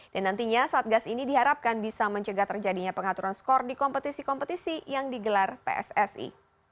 dan nantinya satgas ini diharapkan bisa mencegah terjadinya pengaturan skor di kompetisi kompetisi yang digelar pssi